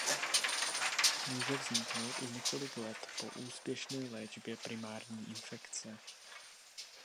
Může vzniknout i několik let po úspěšné léčbě primární infekce.